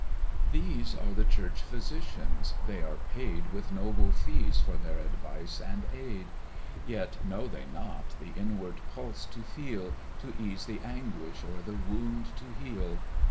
"These are the Church Physicians: they are paid With noble fees for their advice and aid; Yet know they not the inward pulse to feel, To ease the anguish, or the wound to heal.